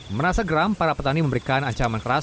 merasa geram para petani memberikan ancaman keras